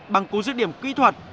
bằng cú giết điểm kỹ thuật